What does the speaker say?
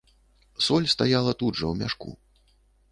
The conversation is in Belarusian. Соль стаяла тут жа ў мяшку.